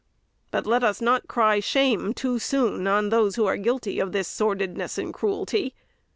But let us not cry, Shame! too soon on those who are guilty of this sordidness and cruelty.